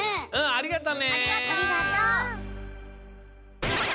ありがとう！